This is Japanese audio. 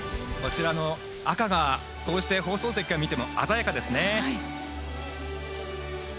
こちらの赤が、こうして放送席から見ても鮮やかですね。